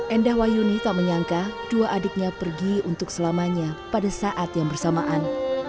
endah wayuni tak menyangka dua adiknya pergi untuk selamanya pada saat yang bersamaan